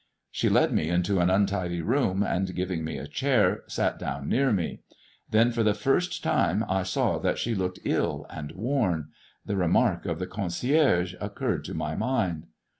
She led me into an untidy room, and, giving me a chair, sat down near me. Then, for the first time, I saw that she looked ill and worn. The remark of the concierge occurred to my mind.